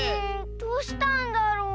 どうしたんだろう。